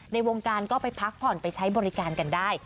ในวงการก็ไปพักผ่อนไปใช้บริการกันได้